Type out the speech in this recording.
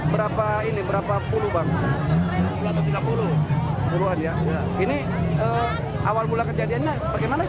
tiga puluh buruhan ya ini awal mula kejadiannya bagaimana sih